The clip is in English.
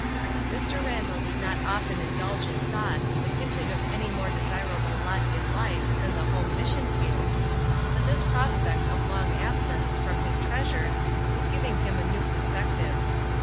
Mr. Randall did not often indulge in thoughts that hinted of any more desirable lot in hfe than the home mission field, but this prospect of long absence from his treasures was giving him a new perspective.